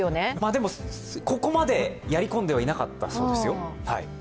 でも、ここまでやり込んではいなかったそうですよ。